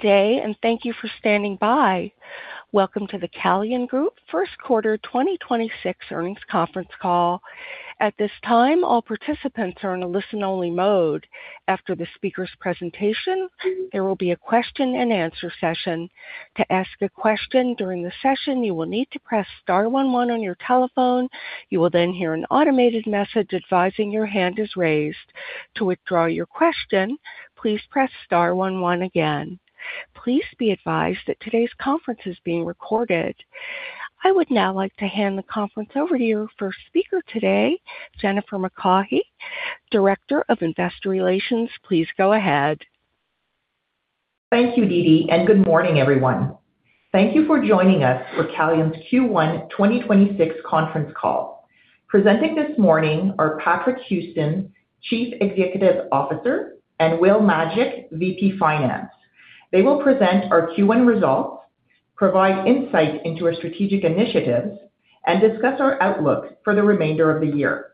Good day, and thank you for standing by. Welcome to the Calian Group first quarter 2026 earnings conference call. At this time, all participants are in a listen-only mode. After the speaker's presentation, there will be a question-and-answer session. To ask a question during the session, you will need to press star one one on your telephone. You will then hear an automated message advising your hand is raised. To withdraw your question, please press star one one again. Please be advised that today's conference is being recorded. I would now like to hand the conference over to your first speaker today, Jennifer McCaughey, Director of Investor Relations. Please go ahead. Thank you, Dee Dee, and good morning, everyone. Thank you for joining us for Calian's Q1 2026 conference call. Presenting this morning are Patrick Houston, Chief Executive Officer, and Will Majic, VP Finance. They will present our Q1 results, provide insight into our strategic initiatives, and discuss our outlook for the remainder of the year.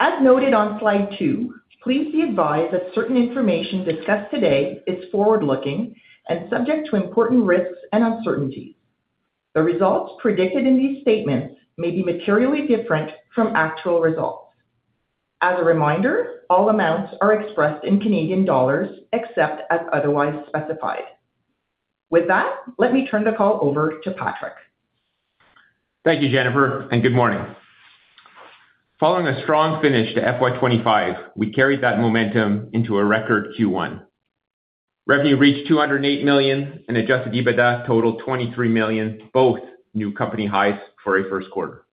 As noted on slide two, please be advised that certain information discussed today is forward-looking and subject to important risks and uncertainties. The results predicted in these statements may be materially different from actual results. As a reminder, all amounts are expressed in Canadian dollars, except as otherwise specified. With that, let me turn the call over to Patrick. Thank you, Jennifer, and good morning. Following a strong finish to FY 2025, we carried that momentum into a record Q1. Revenue reached 208 million, and adjusted EBITDA totaled 23 million, both new company highs for a first quarter.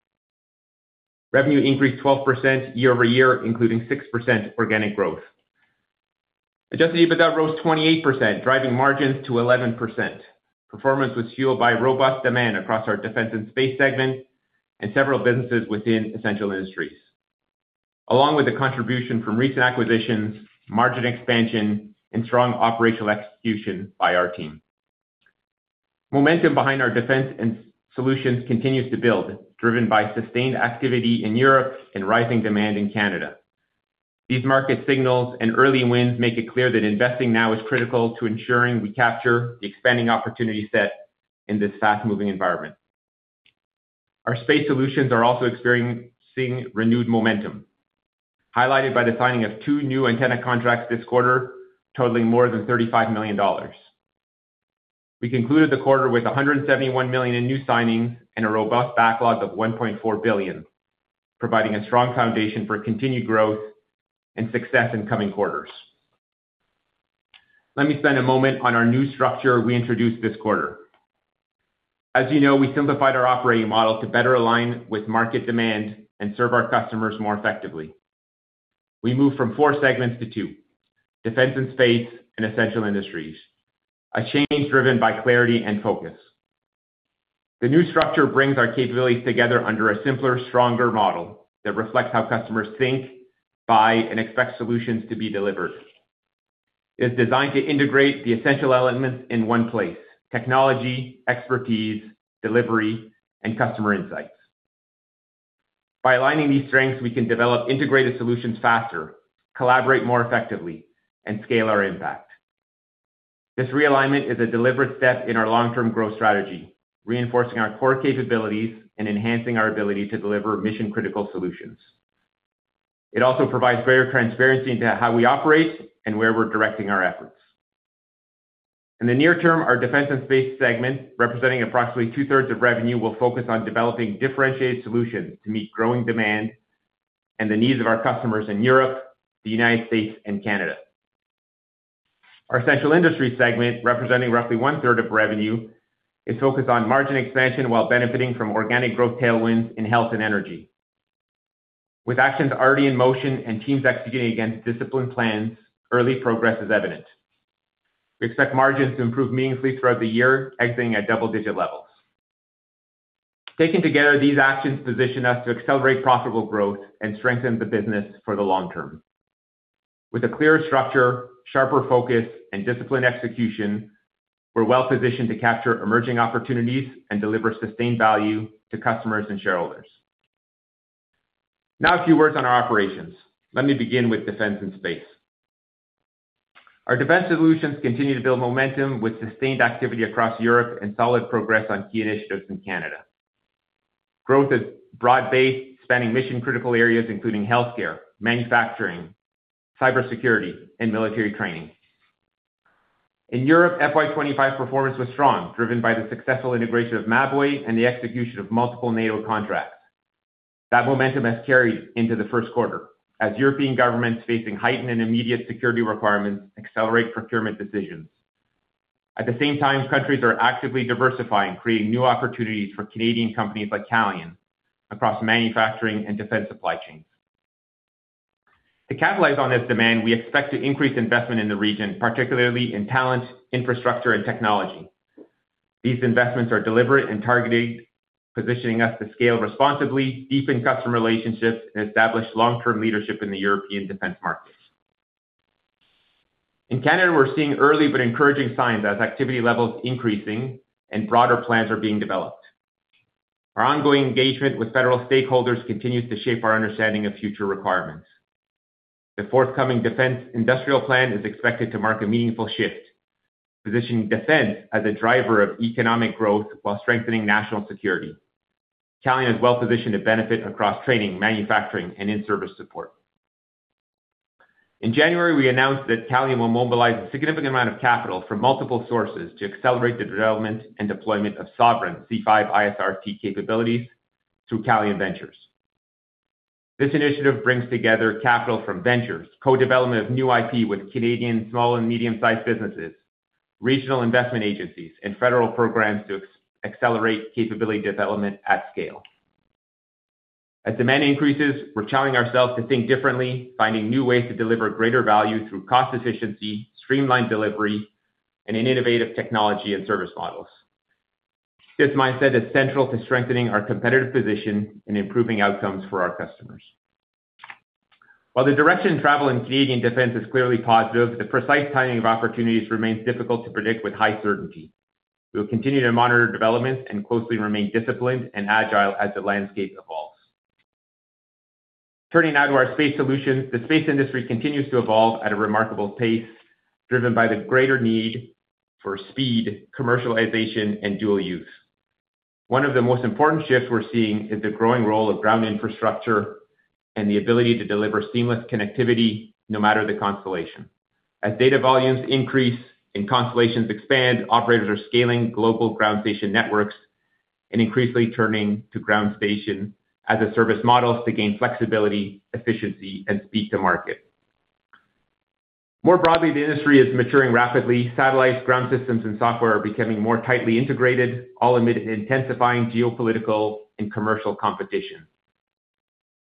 Revenue increased 12% year-over-year, including 6% organic growth. Adjusted EBITDA rose 28%, driving margins to 11%. Performance was fueled by robust demand across our defense and space segment and several businesses within essential industries, along with the contribution from recent acquisitions, margin expansion, and strong operational execution by our team. Momentum behind our defense and solutions continues to build, driven by sustained activity in Europe and rising demand in Canada. These market signals and early wins make it clear that investing now is critical to ensuring we capture the expanding opportunity set in this fast-moving environment. Our space solutions are also experiencing renewed momentum, highlighted by the signing of two new antenna contracts this quarter, totaling more than 35 million dollars. We concluded the quarter with 171 million in new signings and a robust backlog of 1.4 billion, providing a strong foundation for continued growth and success in coming quarters. Let me spend a moment on our new structure we introduced this quarter. As you know, we simplified our operating model to better align with market demand and serve our customers more effectively. We moved from four segments to two, defense and space and essential industries, a change driven by clarity and focus. The new structure brings our capabilities together under a simpler, stronger model that reflects how customers think, buy, and expect solutions to be delivered. It's designed to integrate the essential elements in one place: technology, expertise, delivery, and customer insights. By aligning these strengths, we can develop integrated solutions faster, collaborate more effectively, and scale our impact. This realignment is a deliberate step in our long-term growth strategy, reinforcing our core capabilities and enhancing our ability to deliver mission-critical solutions. It also provides greater transparency into how we operate and where we're directing our efforts. In the near term, our defense and space segment, representing approximately 2/3 of revenue, will focus on developing differentiated solutions to meet growing demand and the needs of our customers in Europe, the United States, and Canada. Our essential industry segment, representing roughly 1/3 of revenue, is focused on margin expansion while benefiting from organic growth tailwinds in health and energy. With actions already in motion and teams executing against disciplined plans, early progress is evident. We expect margins to improve meaningfully throughout the year, exiting at double-digit levels. Taken together, these actions position us to accelerate profitable growth and strengthen the business for the long term. With a clearer structure, sharper focus, and disciplined execution, we're well-positioned to capture emerging opportunities and deliver sustained value to customers and shareholders. Now, a few words on our operations. Let me begin with defense and space. Our defense solutions continue to build momentum with sustained activity across Europe and solid progress on key initiatives in Canada. Growth is broad-based, spanning mission-critical areas including healthcare, manufacturing, cybersecurity, and military training. In Europe, FY 2025 performance was strong, driven by the successful integration of Mabway and the execution of multiple NATO contracts. That momentum has carried into the first quarter, as European governments, facing heightened and immediate security requirements, accelerate procurement decisions. At the same time, countries are actively diversifying, creating new opportunities for Canadian companies like Calian across manufacturing and defense supply chains. To capitalize on this demand, we expect to increase investment in the region, particularly in talent, infrastructure, and technology. These investments are deliberate and targeted, positioning us to scale responsibly, deepen customer relationships, and establish long-term leadership in the European defense market. In Canada, we're seeing early but encouraging signs as activity levels increasing and broader plans are being developed.... Our ongoing engagement with federal stakeholders continues to shape our understanding of future requirements. The forthcoming defense industrial plan is expected to mark a meaningful shift, positioning defense as a driver of economic growth while strengthening national security. Calian is well-positioned to benefit across training, manufacturing, and in-service support. In January, we announced that Calian will mobilize a significant amount of capital from multiple sources to accelerate the development and deployment of sovereign C5ISR capabilities through Calian Ventures. This initiative brings together capital from ventures, co-development of new IP with Canadian small and medium-sized businesses, regional investment agencies, and federal programs to accelerate capability development at scale. As demand increases, we're challenging ourselves to think differently, finding new ways to deliver greater value through cost efficiency, streamlined delivery, and in innovative technology and service models. This mindset is central to strengthening our competitive position and improving outcomes for our customers. While the direction of travel in Canadian defense is clearly positive, the precise timing of opportunities remains difficult to predict with high certainty. We will continue to monitor developments and closely remain disciplined and agile as the landscape evolves. Turning now to our space solutions. The space industry continues to evolve at a remarkable pace, driven by the greater need for speed, commercialization, and dual use. One of the most important shifts we're seeing is the growing role of ground infrastructure and the ability to deliver seamless connectivity, no matter the constellation. As data volumes increase and constellations expand, operators are scaling global ground station networks and increasingly turning to ground station as a service model to gain flexibility, efficiency, and speed to market. More broadly, the industry is maturing rapidly. Satellites, ground systems, and software are becoming more tightly integrated, all amid intensifying geopolitical and commercial competition.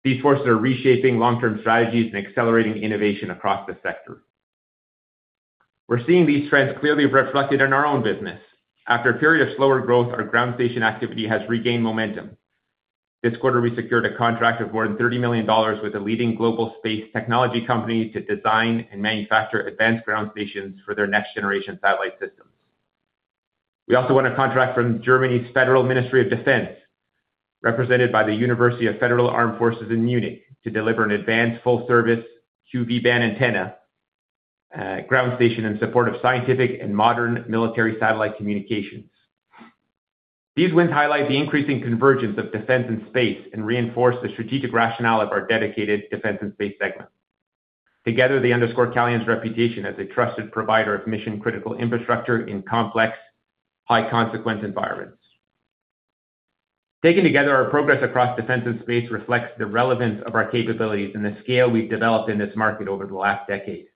These forces are reshaping long-term strategies and accelerating innovation across the sector. We're seeing these trends clearly reflected in our own business. After a period of slower growth, our ground station activity has regained momentum. This quarter, we secured a contract of more than 30 million dollars with a leading global space technology company to design and manufacture advanced ground stations for their next-generation satellite systems. We also won a contract from Germany's Federal Ministry of Defense, represented by the University of the Federal Armed Forces in Munich, to deliver an advanced full-service Q/V-band antenna ground station in support of scientific and modern military satellite communications. These wins highlight the increasing convergence of defense and space and reinforce the strategic rationale of our dedicated defense and space segment. Together, they underscore Calian's reputation as a trusted provider of mission-critical infrastructure in complex, high-consequence environments. Taken together, our progress across defense and space reflects the relevance of our capabilities and the scale we've developed in this market over the last decade.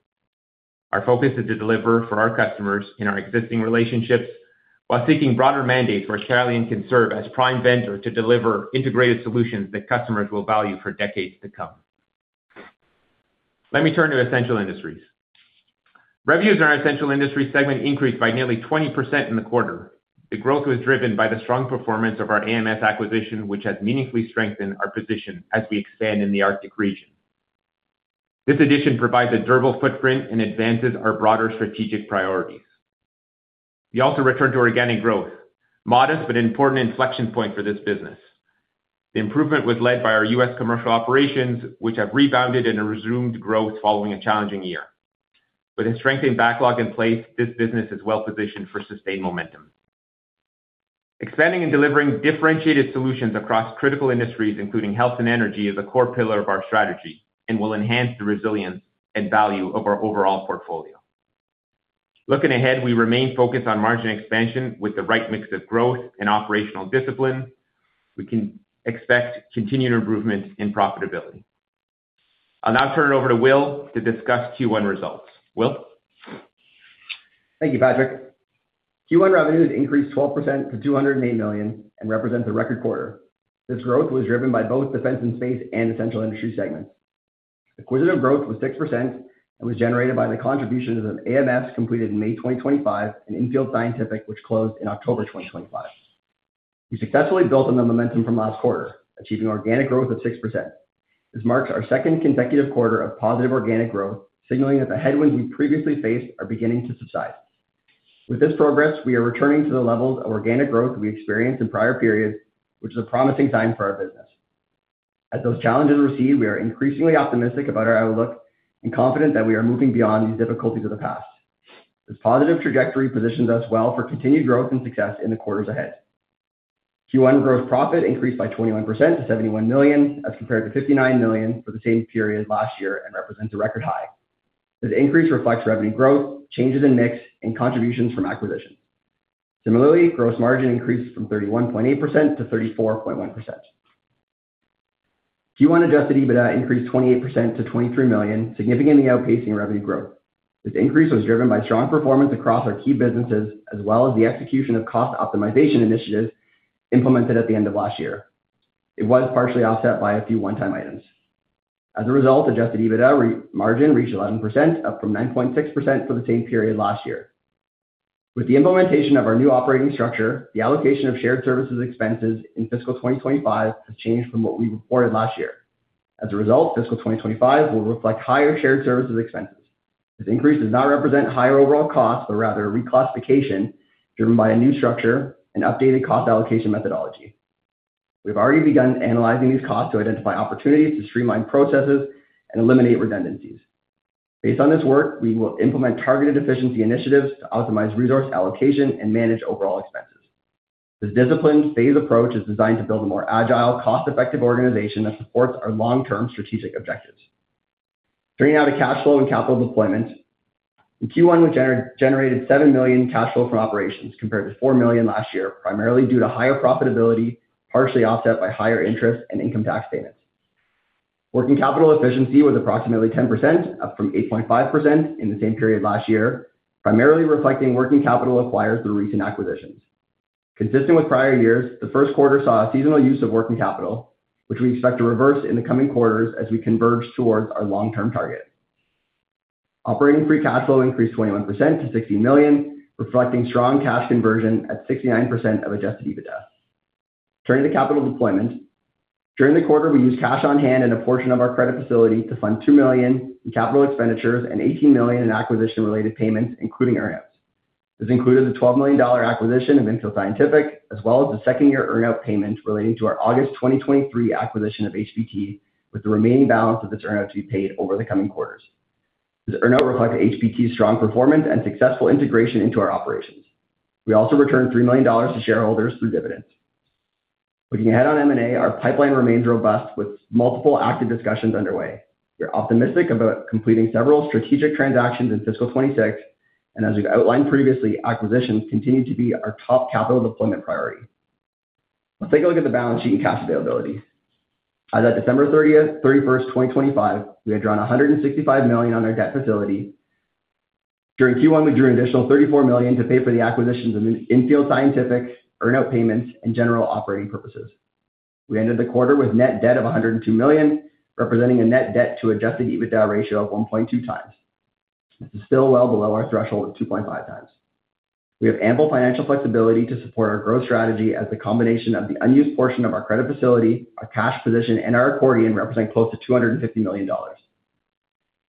Our focus is to deliver for our customers in our existing relationships, while seeking broader mandates where Calian can serve as prime vendor to deliver integrated solutions that customers will value for decades to come. Let me turn to essential industries. Revenues in our essential industry segment increased by nearly 20% in the quarter. The growth was driven by the strong performance of our AMS acquisition, which has meaningfully strengthened our position as we expand in the Arctic region. This addition provides a durable footprint and advances our broader strategic priorities. We also returned to organic growth, modest but important inflection point for this business. The improvement was led by our U.S. commercial operations, which have rebounded and resumed growth following a challenging year. With a strengthened backlog in place, this business is well-positioned for sustained momentum. Expanding and delivering differentiated solutions across critical industries, including health and energy, is a core pillar of our strategy and will enhance the resilience and value of our overall portfolio. Looking ahead, we remain focused on margin expansion with the right mix of growth and operational discipline. We can expect continued improvement in profitability. I'll now turn it over to Will to discuss Q1 results. Will? Thank you, Patrick. Q1 revenues increased 12% to 208 million and represent a record quarter. This growth was driven by both defense and space and essential industry segments. Acquisitive growth was 6% and was generated by the contributions of AMS, completed in May 2025, and InField Scientific, which closed in October 2025. We successfully built on the momentum from last quarter, achieving organic growth of 6%. This marks our second consecutive quarter of positive organic growth, signaling that the headwinds we previously faced are beginning to subside. With this progress, we are returning to the levels of organic growth we experienced in prior periods, which is a promising sign for our business. As those challenges recede, we are increasingly optimistic about our outlook and confident that we are moving beyond these difficulties of the past. This positive trajectory positions us well for continued growth and success in the quarters ahead. Q1 gross profit increased by 21% to 71 million, as compared to 59 million for the same period last year and represents a record high. This increase reflects revenue growth, changes in mix, and contributions from acquisitions. Similarly, gross margin increased from 31.8% to 34.1%. Q1 adjusted EBITDA increased 28% to 23 million, significantly outpacing revenue growth. This increase was driven by strong performance across our key businesses, as well as the execution of cost optimization initiatives implemented at the end of last year. It was partially offset by a few one-time items. As a result, adjusted EBITDA margin reached 11%, up from 9.6% for the same period last year. With the implementation of our new operating structure, the allocation of shared services expenses in fiscal 2025 has changed from what we reported last year. As a result, fiscal 2025 will reflect higher shared services expenses. This increase does not represent higher overall costs, but rather a reclassification driven by a new structure and updated cost allocation methodology. We've already begun analyzing these costs to identify opportunities to streamline processes and eliminate redundancies. Based on this work, we will implement targeted efficiency initiatives to optimize resource allocation and manage overall expenses. This disciplined, phased approach is designed to build a more agile, cost-effective organization that supports our long-term strategic objectives. Turning now to cash flow and capital deployment. In Q1, we generated 7 million in cash flow from operations, compared to 4 million last year, primarily due to higher profitability, partially offset by higher interest and income tax payments. Working capital efficiency was approximately 10%, up from 8.5% in the same period last year, primarily reflecting working capital acquired through recent acquisitions. Consistent with prior years, the first quarter saw a seasonal use of working capital, which we expect to reverse in the coming quarters as we converge towards our long-term target. Operating free cash flow increased 21% to 60 million, reflecting strong cash conversion at 69% of adjusted EBITDA. Turning to capital deployment. During the quarter, we used cash on hand and a portion of our credit facility to fund 2 million in capital expenditures and 18 million in acquisition-related payments, including earn-outs. This included the 12 million dollar acquisition of InField Scientific, as well as the second-year earn-out payment relating to our August 2023 acquisition of HPT, with the remaining balance of this earn-out to be paid over the coming quarters. This earn-out reflects HPT's strong performance and successful integration into our operations. We also returned 3 million dollars to shareholders through dividends. Looking ahead on M&A, our pipeline remains robust, with multiple active discussions underway. We're optimistic about completing several strategic transactions in fiscal 2026, and as we've outlined previously, acquisitions continue to be our top capital deployment priority. Let's take a look at the balance sheet and cash availability. As at December 31, 2025, we had drawn 165 million on our debt facility. During Q1, we drew an additional 34 million to pay for the acquisitions of InField Scientific, earn-out payments, and general operating purposes. We ended the quarter with net debt of 102 million, representing a net debt to adjusted EBITDA ratio of 1.2x. This is still well below our threshold of 2.5x. We have ample financial flexibility to support our growth strategy as the combination of the unused portion of our credit facility, our cash position, and our accordion represent close to 250 million dollars.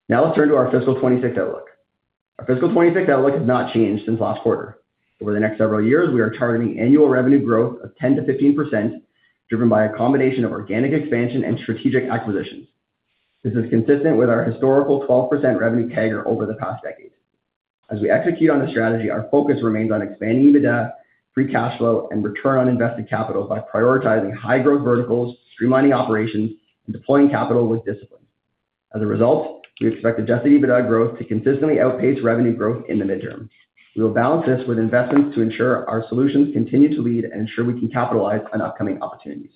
Now let's turn to our fiscal 2026 outlook. Our fiscal 2026 outlook has not changed since last quarter. Over the next several years, we are targeting annual revenue growth of 10%-15%, driven by a combination of organic expansion and strategic acquisitions. This is consistent with our historical 12% revenue CAGR over the past decade. As we execute on this strategy, our focus remains on expanding EBITDA, free cash flow, and return on invested capital by prioritizing high-growth verticals, streamlining operations, and deploying capital with discipline. As a result, we expect adjusted EBITDA growth to consistently outpace revenue growth in the midterm. We will balance this with investments to ensure our solutions continue to lead and ensure we can capitalize on upcoming opportunities.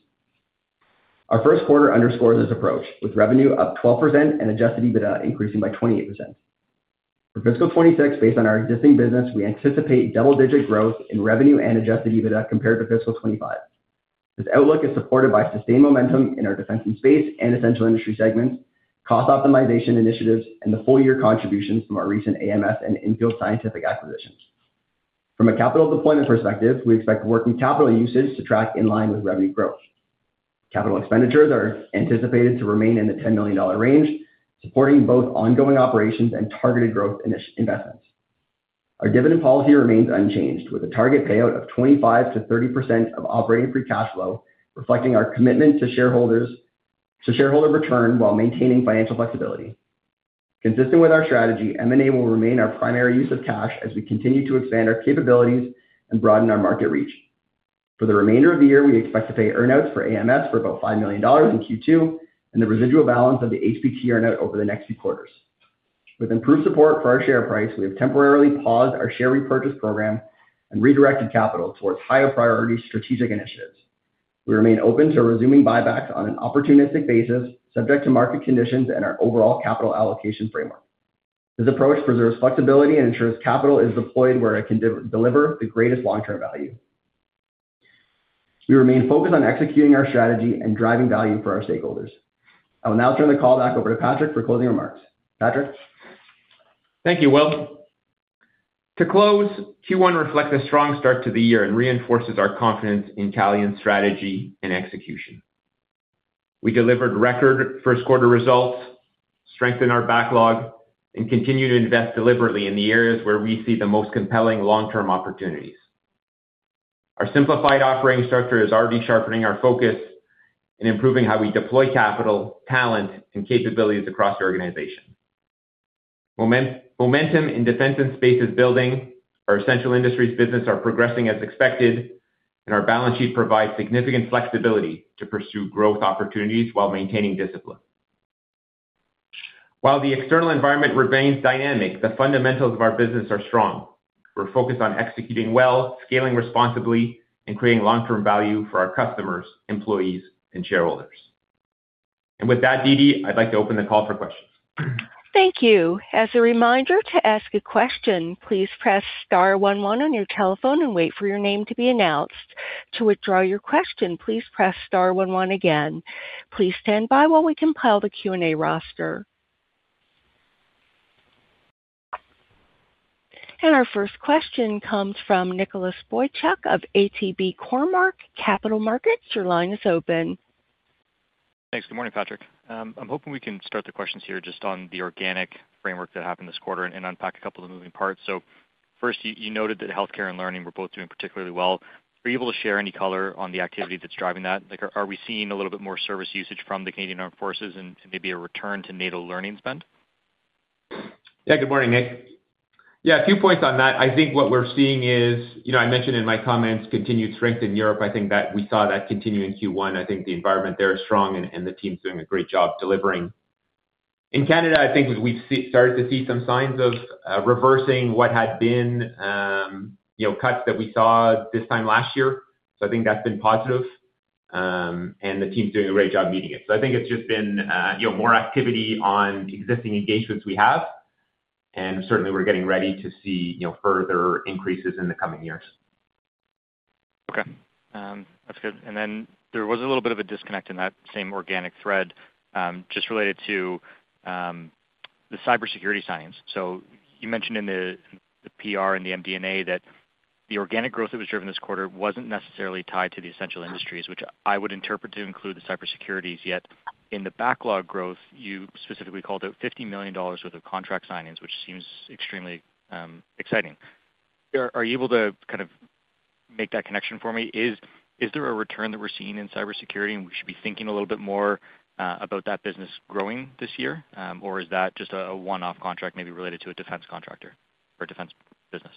Our first quarter underscores this approach, with revenue up 12% and adjusted EBITDA increasing by 28%. For fiscal 2026, based on our existing business, we anticipate double-digit growth in revenue and adjusted EBITDA compared to fiscal 2025. This outlook is supported by sustained momentum in our defense and space and essential industry segments, cost optimization initiatives, and the full-year contributions from our recent AMS and InField Scientific acquisitions. From a capital deployment perspective, we expect working capital usage to track in line with revenue growth. Capital expenditures are anticipated to remain in the 10 million dollar range, supporting both ongoing operations and targeted growth investments. Our dividend policy remains unchanged, with a target payout of 25%-30% of operating free cash flow, reflecting our commitment to shareholders—to shareholder return while maintaining financial flexibility. Consistent with our strategy, M&A will remain our primary use of cash as we continue to expand our capabilities and broaden our market reach. For the remainder of the year, we expect to pay earn-outs for AMS for about 5 million dollars in Q2 and the residual balance of the HPT earn-out over the next few quarters. With improved support for our share price, we have temporarily paused our share repurchase program and redirected capital towards higher-priority strategic initiatives. We remain open to resuming buybacks on an opportunistic basis, subject to market conditions and our overall capital allocation framework. This approach preserves flexibility and ensures capital is deployed where it can deliver the greatest long-term value. We remain focused on executing our strategy and driving value for our stakeholders. I will now turn the call back over to Patrick for closing remarks. Patrick? Thank you, Will. To close, Q1 reflects a strong start to the year and reinforces our confidence in Calian's strategy and execution. We delivered record first quarter results, strengthened our backlog, and continued to invest deliberately in the areas where we see the most compelling long-term opportunities. Our simplified operating structure is already sharpening our focus and improving how we deploy capital, talent, and capabilities across the organization. Momentum in defense and space is building, our essential industries business are progressing as expected, and our balance sheet provides significant flexibility to pursue growth opportunities while maintaining discipline. While the external environment remains dynamic, the fundamentals of our business are strong. We're focused on executing well, scaling responsibly, and creating long-term value for our customers, employees, and shareholders. And with that, Dee Dee, I'd like to open the call for questions. Thank you. As a reminder to ask a question, please press star one one on your telephone and wait for your name to be announced. To withdraw your question, please press star one one again. Please stand by while we compile the Q&A roster.... Our first question comes from Nicholas Boychuk of ATB Cormark Capital Markets. Your line is open. Thanks. Good morning, Patrick. I'm hoping we can start the questions here just on the organic framework that happened this quarter and unpack a couple of the moving parts. So first, you noted that healthcare and learning were both doing particularly well. Are you able to share any color on the activity that's driving that? Like, are we seeing a little bit more service usage from the Canadian Armed Forces and maybe a return to NATO learning spend? Yeah, good morning, Nick. Yeah, a few points on that. I think what we're seeing is, you know, I mentioned in my comments, continued strength in Europe. I think that we saw that continue in Q1. I think the environment there is strong, and the team's doing a great job delivering. In Canada, I think started to see some signs of reversing what had been, you know, cuts that we saw this time last year. So I think that's been positive. And the team's doing a great job meeting it. So I think it's just been, you know, more activity on existing engagements we have, and certainly we're getting ready to see, you know, further increases in the coming years. Okay. That's good. Then there was a little bit of a disconnect in that same organic thread, just related to the cybersecurity signings. You mentioned in the PR and the MD&A that the organic growth that was driven this quarter wasn't necessarily tied to the essential industries, which I would interpret to include the cybersecurity, yet in the backlog growth, you specifically called out 50 million dollars worth of contract signings, which seems extremely exciting. Are you able to kind of make that connection for me? Is there a return that we're seeing in cybersecurity, and we should be thinking a little bit more about that business growing this year? Or is that just a one-off contract, maybe related to a defense contractor or defense business?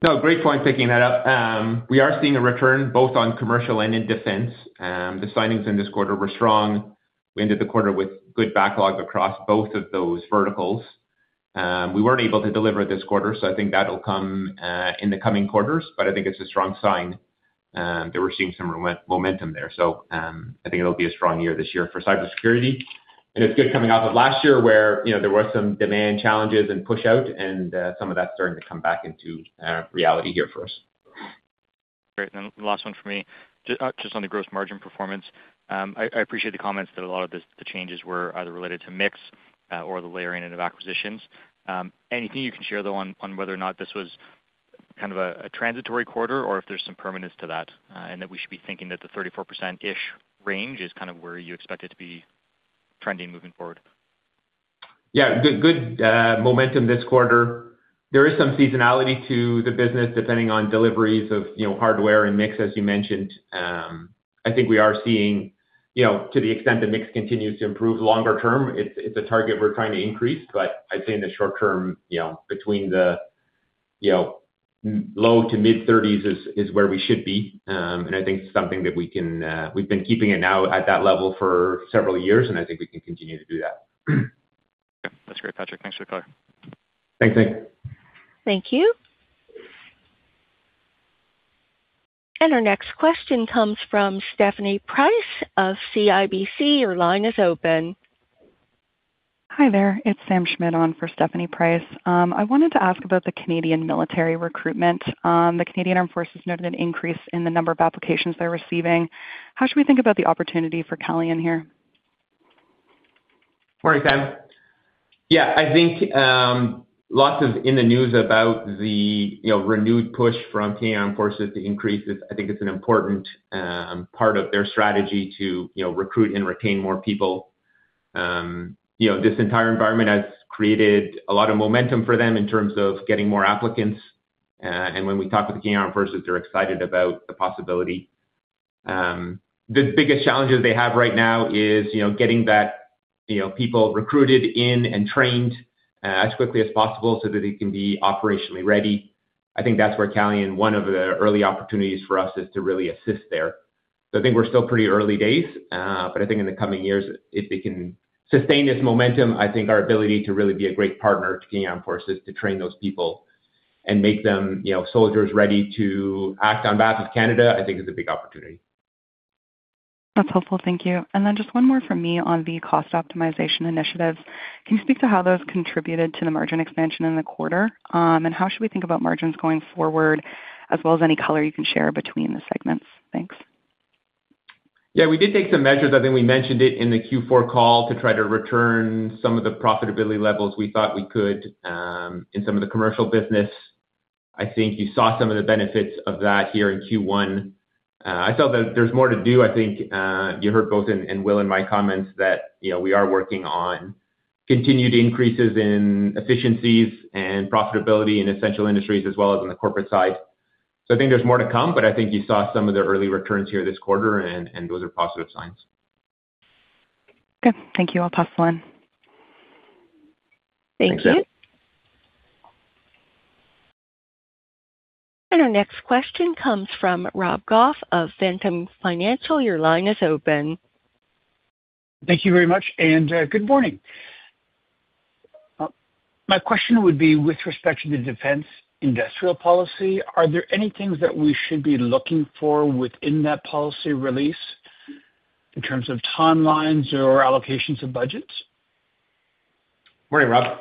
No, great point picking that up. We are seeing a return both on commercial and in defense. The signings in this quarter were strong. We ended the quarter with good backlogs across both of those verticals. We weren't able to deliver this quarter, so I think that'll come in the coming quarters, but I think it's a strong sign that we're seeing some momentum there. So, I think it'll be a strong year this year for cybersecurity, and it's good coming off of last year where, you know, there were some demand challenges and pushout and some of that's starting to come back into reality here for us. Great. And then the last one for me. Just, just on the gross margin performance. I appreciate the comments that a lot of the changes were either related to mix, or the layering in of acquisitions. Anything you can share, though, on whether or not this was kind of a transitory quarter or if there's some permanence to that, and that we should be thinking that the 34%-ish range is kind of where you expect it to be trending moving forward? Yeah, good, good momentum this quarter. There is some seasonality to the business, depending on deliveries of, you know, hardware and mix, as you mentioned. I think we are seeing, you know, to the extent the mix continues to improve longer term, it's, it's a target we're trying to increase. But I'd say in the short term, you know, between the, you know, low to mid thirties is, is where we should be. And I think it's something that we can, we've been keeping it now at that level for several years, and I think we can continue to do that. Yeah. That's great, Patrick. Thanks for the color. Thanks, Nick. Thank you. Our next question comes from Stephanie Price of CIBC. Your line is open. Hi there, it's Sam Schmidt on for Stephanie Price. I wanted to ask about the Canadian military recruitment. The Canadian Armed Forces noted an increase in the number of applications they're receiving. How should we think about the opportunity for Calian here? Morning, Sam. Yeah, I think, lots in the news about the, you know, renewed push from Canadian Armed Forces to increase. I think it's an important part of their strategy to, you know, recruit and retain more people. You know, this entire environment has created a lot of momentum for them in terms of getting more applicants, and when we talk to the Canadian Armed Forces, they're excited about the possibility. The biggest challenges they have right now is, you know, getting that, you know, people recruited in and trained as quickly as possible so that they can be operationally ready. I think that's where Calian, one of the early opportunities for us, is to really assist there. So, I think we're still pretty early days, but I think in the coming years, if they can sustain this momentum, I think our ability to really be a great partner to Canadian Armed Forces, to train those people and make them, you know, soldiers ready to act on behalf of Canada, I think is a big opportunity. That's helpful. Thank you. And then just one more from me on the cost optimization initiatives. Can you speak to how those contributed to the margin expansion in the quarter? And how should we think about margins going forward, as well as any color you can share between the segments? Thanks. Yeah, we did take some measures. I think we mentioned it in the Q4 call, to try to return some of the profitability levels we thought we could in some of the commercial business. I think you saw some of the benefits of that here in Q1. I thought that there's more to do. I think you heard both in Will and my comments that, you know, we are working on continued increases in efficiencies and profitability in essential industries as well as on the corporate side. So I think there's more to come, but I think you saw some of the early returns here this quarter, and those are positive signs. Good. Thank you. I'll pass along. Thank you. Thanks, Sam. And our next question comes from Rob Goff of Ventum Capital Markets. Your line is open. Thank you very much, and, good morning. My question would be with respect to the defense industrial policy. Are there any things that we should be looking for within that policy release in terms of timelines or allocations of budgets? Morning, Rob.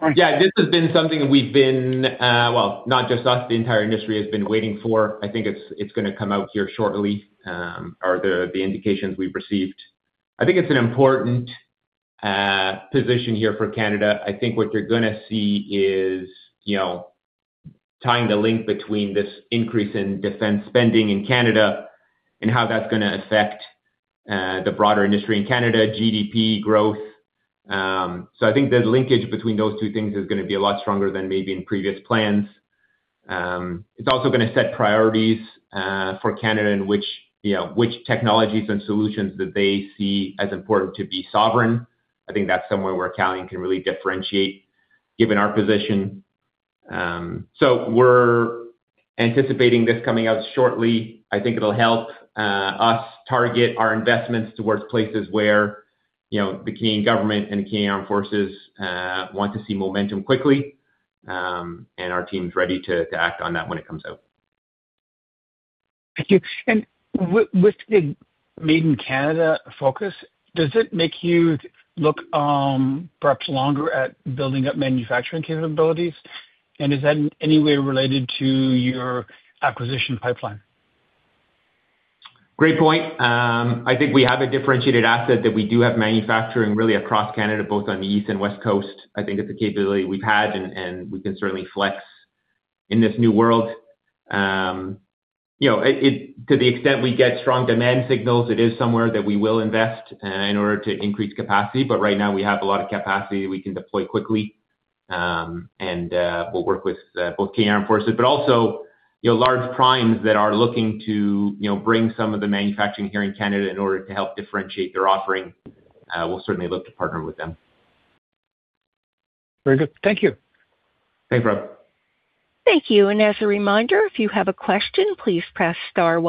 Morning. Yeah, this has been something we've been, well, not just us, the entire industry has been waiting for. I think it's gonna come out here shortly, are the indications we've received. I think it's an important position here for Canada. I think what you're gonna see is, you know, tying the link between this increase in defense spending in Canada and how that's gonna affect the broader industry in Canada, GDP growth. So I think the linkage between those two things is gonna be a lot stronger than maybe in previous plans. It's also gonna set priorities for Canada and which, you know, which technologies and solutions that they see as important to be sovereign. I think that's somewhere where Calian can really differentiate, given our position. So we're anticipating this coming out shortly. I think it'll help us target our investments toward places where, you know, the Canadian government and Canadian Armed Forces want to see momentum quickly, and our team's ready to act on that when it comes out. Thank you. And with the Made in Canada focus, does it make you look, perhaps longer at building up manufacturing capabilities? And is that in any way related to your acquisition pipeline? Great point. I think we have a differentiated asset that we do have manufacturing really across Canada, both on the East and West Coast. I think it's a capability we've had, and we can certainly flex in this new world. You know, to the extent we get strong demand signals, it is somewhere that we will invest in order to increase capacity. But right now, we have a lot of capacity that we can deploy quickly. And we'll work with both Canadian Armed Forces, but also, you know, large primes that are looking to, you know, bring some of the manufacturing here in Canada in order to help differentiate their offering. We'll certainly look to partner with them. Very good. Thank you. Thanks, Rob. Thank you. And as a reminder, if you have a question, please press star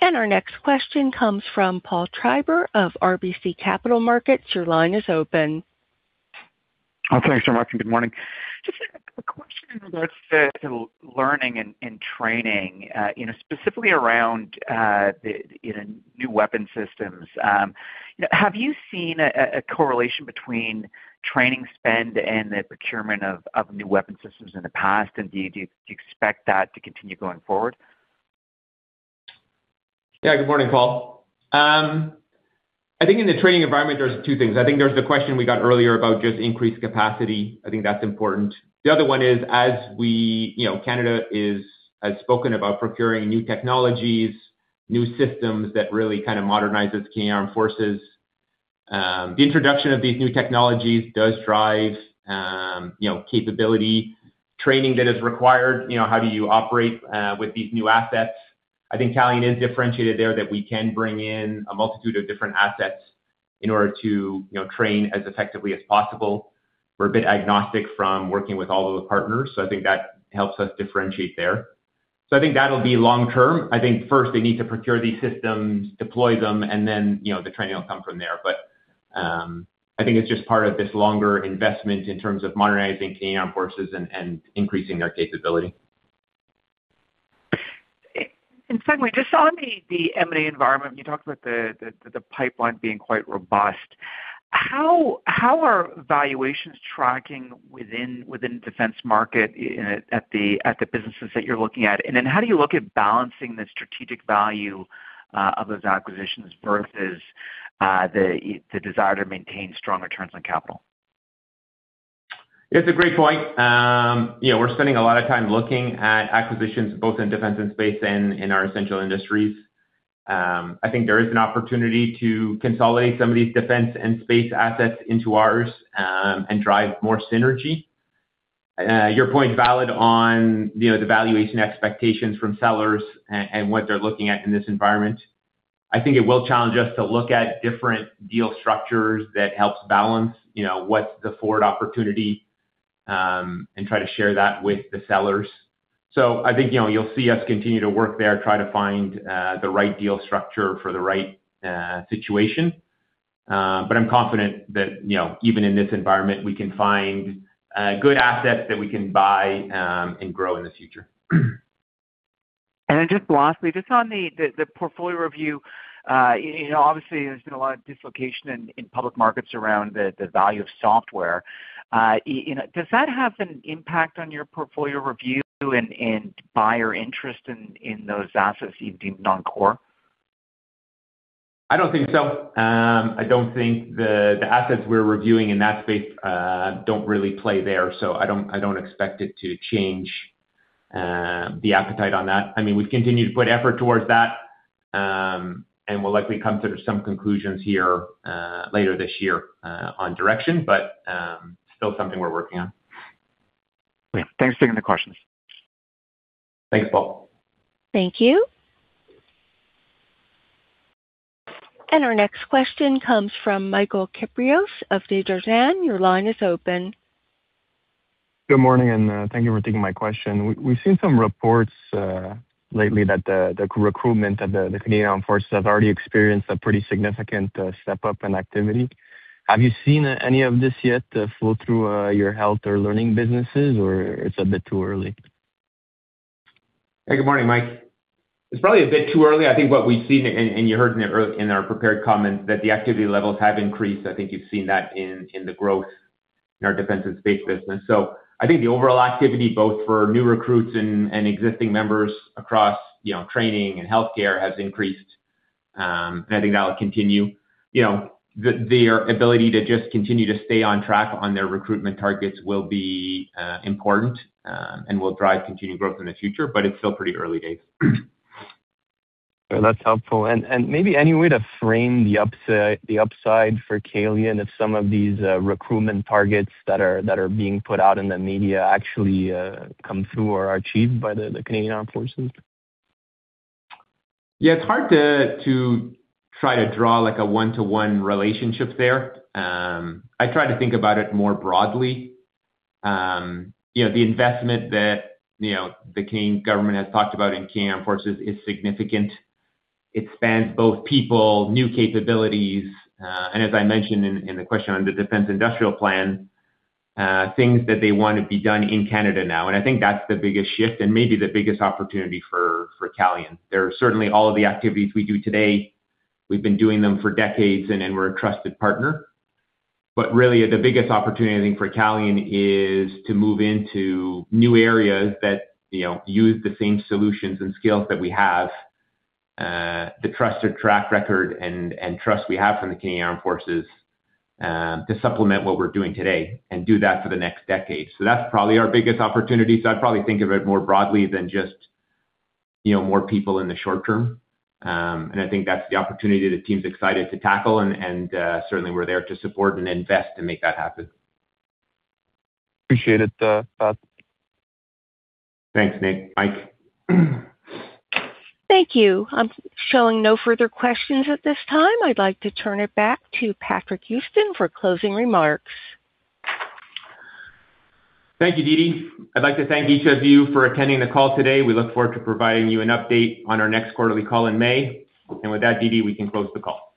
one, one. And our next question comes from Paul Treiber of RBC Capital Markets. Your line is open. Oh, thanks so much, and good morning. Just a question with regards to learning and training, you know, specifically around the you know new weapon systems. You know, have you seen a correlation between training spend and the procurement of new weapon systems in the past? And do you expect that to continue going forward? Yeah. Good morning, Paul. I think in the training environment, there's two things. I think there's the question we got earlier about just increased capacity. I think that's important. The other one is, as we... You know, Canada is, has spoken about procuring new technologies, new systems that really kind of modernizes Canadian Armed Forces. The introduction of these new technologies does drive, you know, capability training that is required. You know, how do you operate with these new assets? I think Calian is differentiated there, that we can bring in a multitude of different assets in order to, you know, train as effectively as possible. We're a bit agnostic from working with all of the partners, so I think that helps us differentiate there. So I think that'll be long term. I think first they need to procure these systems, deploy them, and then, you know, the training will come from there. But, I think it's just part of this longer investment in terms of modernizing Canadian Armed Forces and increasing their capability. And secondly, just on the M&A environment, you talked about the pipeline being quite robust. How are valuations tracking within the defense market at the businesses that you're looking at? And then how do you look at balancing the strategic value of those acquisitions versus the desire to maintain strong returns on capital? It's a great point. You know, we're spending a lot of time looking at acquisitions, both in defense and space and in our essential industries. I think there is an opportunity to consolidate some of these defense and space assets into ours, and drive more synergy. Your point is valid on, you know, the valuation expectations from sellers and what they're looking at in this environment. I think it will challenge us to look at different deal structures that helps balance, you know, what's the forward opportunity, and try to share that with the sellers. So I think, you know, you'll see us continue to work there, try to find the right deal structure for the right situation. I'm confident that, you know, even in this environment, we can find good assets that we can buy and grow in the future. Then just lastly, just on the portfolio review, you know, obviously there's been a lot of dislocation in public markets around the value of software. You know, does that have an impact on your portfolio review and buyer interest in those assets you deem non-core? I don't think so. I don't think the assets we're reviewing in that space don't really play there, so I don't expect it to change the appetite on that. I mean, we've continued to put effort towards that, and we'll likely come to some conclusions here later this year on direction, but still something we're working on. Yeah. Thanks for taking the questions. Thanks, Paul. Thank you. And our next question comes from Michael Kypreos of Desjardins. Your line is open. Good morning, and thank you for taking my question. We've seen some reports lately that the recruitment at the Canadian Armed Forces has already experienced a pretty significant step up in activity. Have you seen any of this yet flow through your health or learning businesses, or it's a bit too early? Hey, good morning, Mike. It's probably a bit too early. I think what we've seen, and you heard in our prepared comments, that the activity levels have increased. I think you've seen that in the growth in our defense and space business. So I think the overall activity, both for new recruits and existing members across, you know, training and healthcare, has increased. And I think that will continue. You know, their ability to just continue to stay on track on their recruitment targets will be important and will drive continued growth in the future, but it's still pretty early days. Well, that's helpful. And, and maybe any way to frame the upset- the upside for Calian if some of these, recruitment targets that are, that are being put out in the media actually, come through or are achieved by the, the Canadian Armed Forces? Yeah, it's hard to, to try to draw, like, a one-to-one relationship there. I try to think about it more broadly. You know, the investment that, you know, the Canadian government has talked about in Canadian Armed Forces is significant. It spans both people, new capabilities, and as I mentioned in, in the question on the defense industrial plan, things that they want to be done in Canada now, and I think that's the biggest shift and maybe the biggest opportunity for, for Calian. There are certainly all of the activities we do today, we've been doing them for decades, and then we're a trusted partner. But really, the biggest opportunity I think for Calian is to move into new areas that, you know, use the same solutions and skills that we have, the trusted track record and trust we have from the Canadian Armed Forces, to supplement what we're doing today and do that for the next decade. So that's probably our biggest opportunity. So I'd probably think of it more broadly than just, you know, more people in the short term. And I think that's the opportunity the team's excited to tackle, and certainly we're there to support and invest to make that happen. Appreciate it, Pat. Thanks, Nick. Mike? Thank you. I'm showing no further questions at this time. I'd like to turn it back to Patrick Houston for closing remarks. Thank you, Dee Dee. I'd like to thank each of you for attending the call today. We look forward to providing you an update on our next quarterly call in May. With that, Dee Dee, we can close the call.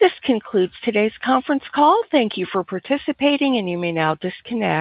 This concludes today's conference call. Thank you for participating, and you may now disconnect.